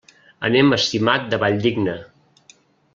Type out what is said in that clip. Anem a Simat de la Valldigna.